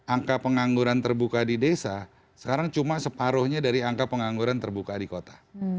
angka pengangguran terbuka di desa sekarang cuma separuhnya dari angka pengangguran terbuka di kota